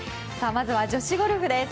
まずは女子ゴルフです。